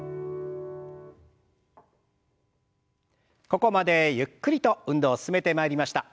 ここまでゆっくりと運動進めてまいりました。